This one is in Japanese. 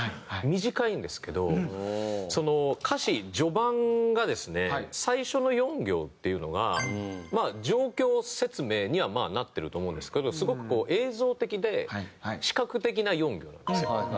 短いんですけど歌詞序盤がですね最初の４行っていうのが状況説明にはなってると思うんですけどすごくこう映像的で視覚的な４行なんですよ。